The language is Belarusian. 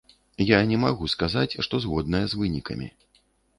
Я не магу сказаць, што згодная з вынікамі.